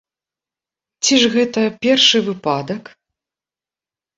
Ці ж гэта першы выпадак?